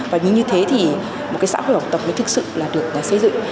và như thế thì một cái xã hội học tập mới thực sự là được xây dựng